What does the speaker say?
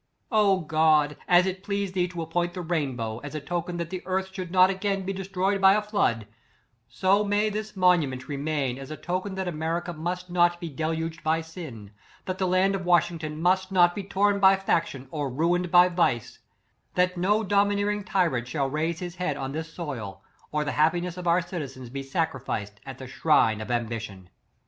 " God! as it pleased thee to appoint the rain bow, as a token that the earth should not again be destroyed by a flood, so may this monument remain as a token that America must not be deluged by sin; that the land of Washington must not be torn by faction or ruined by vice; that no domineering tyrant shall raise his head on this soil, or the happiness of our citizens be sacrificed at the shrine of ambition.